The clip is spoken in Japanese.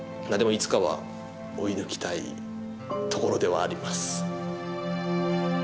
まあでもいつかは追い抜きたいところではあります。